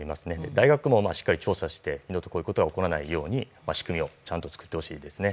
大学もしっかり調査して二度とこういうことが起こらないような仕組みを作ってほしいですね。